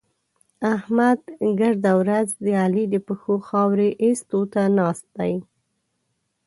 احمد ګرده ورځ د علي د پښو خاورې اېستو ته ناست دی.